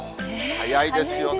早いですよね。